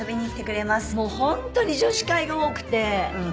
もう本当に女子会が多くて。